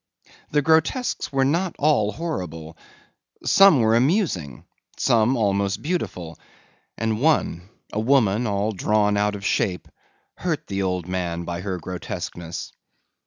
The grotesques were not all horrible. Some were amusing, some almost beautiful, and one, a woman all drawn out of shape, hurt the old man by her grotesqueness.